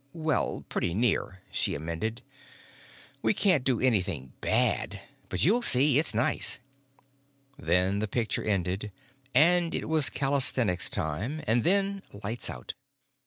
Well, pretty near," she amended. "We can't do anything bad. But you'll see; it's nice." Then the picture ended, and it was calisthenics time, and then lights out.